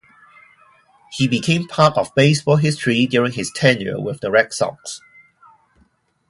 He became part of baseball history during his tenure with the Red Sox.